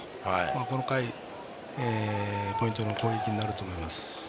この回ポイントの攻撃になると思います。